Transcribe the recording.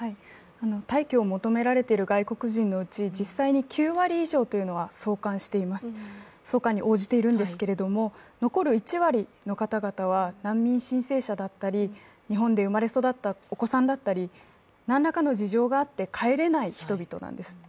退去を求められている外国人のうち、実際に９割以上は送還に応じているんですけど残る１割の方々は民難民申請者だったり、日本で生まれ育ったお子さんだったり何らかの事情があって帰れない人々なんです。